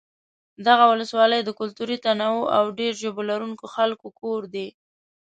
دغه ولسوالۍ د کلتوري تنوع او ډېر ژبو لرونکو خلکو کور دی.